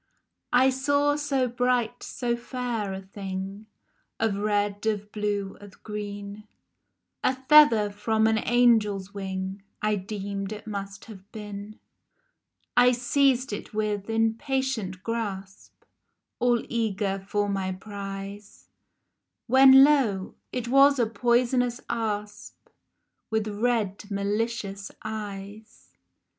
I SAW so bright, so fair a thing, Of red, of blue, of green, A feather from an angel's wing I deemed it must have been. I seized it, with impatient grasp, All eager for my prize, When, lo ! it was a poisonous asp With red malicious eyes